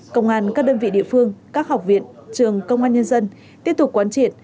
công an các đơn vị địa phương các học viện trường công an nhân dân tiếp tục quán triệt